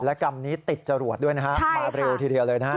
และกรรมนี้ติดจรวดด้วยนะฮะมาเร็วทีเดียวเลยนะฮะ